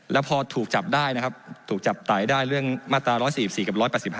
แล้วพอถูกจับได้นะครับถูกจับตายได้เรื่องมาตรา๑๔๔กับ๑๘๕